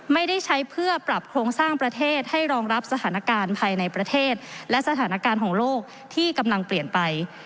ไม่ได้ใช้เพื่อปรับโครงสร้างประเทศให้รองรับสถานการณ์ภายในประเทศและสถานการณ์ของโลกที่กำลังเปลี่ยนไป